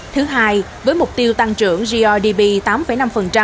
thứ hai với mục tiêu tăng trưởng grdp tám năm